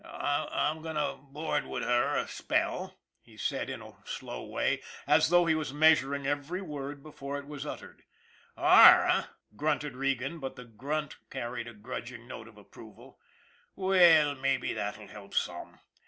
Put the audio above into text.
" I'm going to board with her a spell," he said in a slow way, as though he was measuring every word before it was uttered. " Are, eh ?" grunted Regan, but the grunt carried a grudging note of approval. " Well, maybe that'll help some.